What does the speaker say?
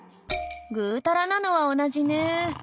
ぐたらなのは同じね。